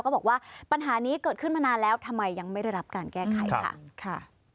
บอกว่าปัญหานี้เกิดขึ้นมานานแล้วทำไมยังไม่ได้รับการแก้ไขค่ะ